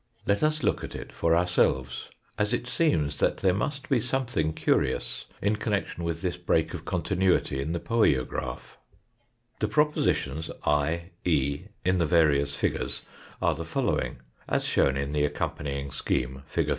Let us look at it for ourselves, as it seems that there must be something curious in connection with this break of continuity in the poiograph. M 2nd figure. 8rd figure. Fig. 58. 4th figure. The propositions I, E, in the various figures are the following, as shown in the accompanying scheme, fig.